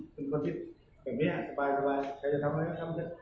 เป็นคนที่แบบนี้อ่ะสบายใครจะทำอะไรก็ทำด้วย